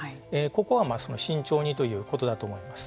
ここは慎重にということだと思います。